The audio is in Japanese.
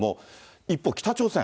一方、北朝鮮。